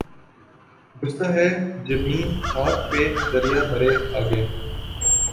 گھستا ہے جبیں خاک پہ دریا مرے آگے